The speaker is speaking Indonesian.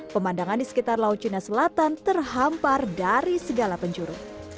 pemandangan di sekitar laut cina selatan terhampar dari segala penjuru